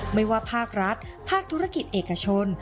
ไม่ว่าภาครัฐภาคธุรกิจเอกชน